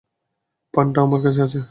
পান্নাটা আমার কাছে আছে।